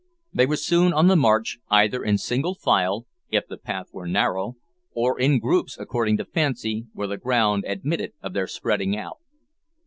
They were soon on the march, either in single file, if the path were narrow, or in groups, according to fancy, where the ground admitted of their spreading out.